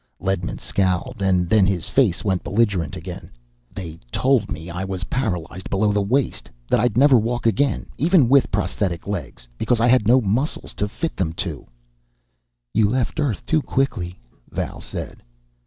Ledman scowled, and then his face went belligerent again. "They told me I was paralyzed below the waist. That I'd never walk again, even with prosthetic legs, because I had no muscles to fit them to." "You left Earth too quickly," Val said.